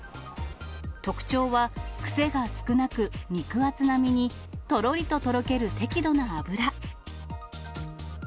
特徴は、癖が少なく、肉厚な身に、とろりととろける適度な脂。